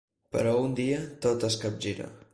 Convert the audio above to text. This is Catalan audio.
Però un dia, tot es capgira.